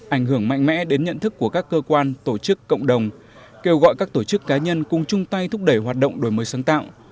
ảnh hưởng mạnh mẽ đến nhận thức của các cơ quan tổ chức cộng đồng kêu gọi các tổ chức cá nhân cùng chung tay thúc đẩy hoạt động đổi mới sáng tạo